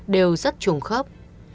đều rất trùng khớp